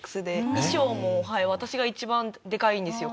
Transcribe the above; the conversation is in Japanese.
衣装も私が一番でかいんですよ